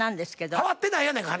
変わってないやないか話。